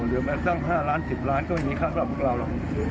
หรือมาส่ง๕ล้าน๑๐ล้านก็ไม่มีค่าเท่าไหร่พวกเราหรอก